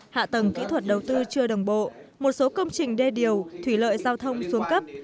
hạ tầng kỹ thuật đầu tư chưa đồng bộ một số công trình đê điều thủy lợi giao thông xuống cấp